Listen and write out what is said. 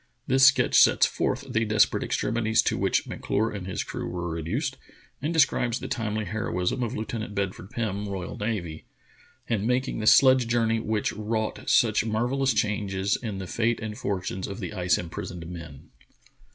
This sketch sets forth the desperate extremities to which M'CIure and his crew were reduced, and describes the timely heroism of Lieutenant Bedford Pim, R.N., The Journey of Bedford Pirn 75 in making the sledge journey which wrought such marvellous changes in the fate and fortunes of the ice imprisoned men.